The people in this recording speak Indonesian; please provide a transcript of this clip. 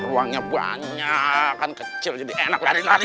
ruangnya banyak kan kecil jadi enak lari lari